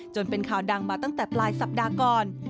เป็นข่าวดังมาตั้งแต่ปลายสัปดาห์ก่อน